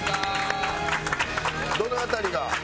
どの辺りが？